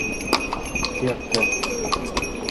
Керте...